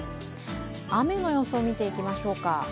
雨の予想を見ていきましょうか。